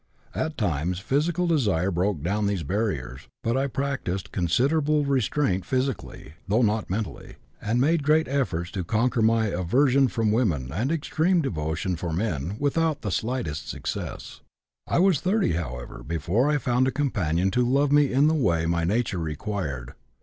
At times physical desire broke down these barriers, but I practised considerable restraint physically, though not mentally, and made great efforts to conquer my aversion from women and extreme devotion for men, without the slightest success. I was 30, however, before I found a companion to love me in the way my nature required.